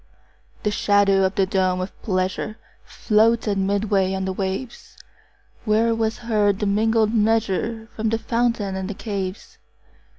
30 The shadow of the dome of pleasure Floated midway on the waves; Where was heard the mingled measure From the fountain and the caves.